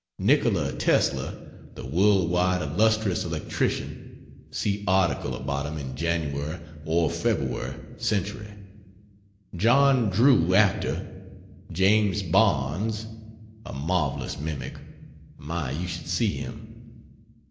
Nikola Tesla, the world wide illustrious electrician; see article about him in Jan. or Feb. Century. John Drew, actor; James Barnes, a marvelous mimic; my, you should see him!